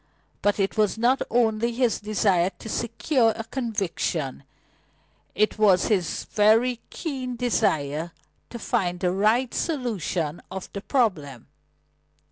But it was not his only desire to secure a conviction; it was his very keen desire to find the right solution of the problem.